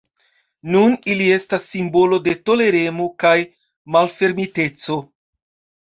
Nun ili estas simbolo de toleremo kaj malfermiteco.